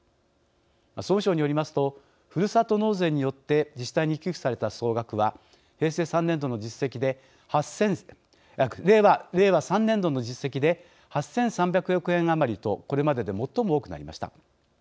総務省によりますとふるさと納税によって自治体に寄付された総額は令和３年度の実績で８３００億円余りとこれまでで最も多くなりました。